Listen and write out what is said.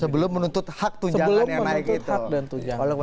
sebelum menuntut hak dan tunjangan